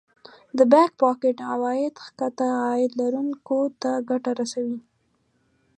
د Back pocket عواید ښکته عاید لرونکو ته ګټه رسوي